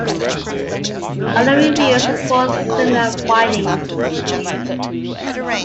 Other reviews report similar findings.